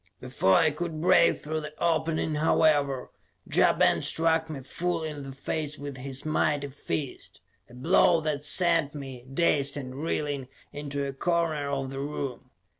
Before I could break through the opening, however, Ja Ben struck me full in the face with his mighty fist; a blow that sent me, dazed and reeling, into a corner of the room.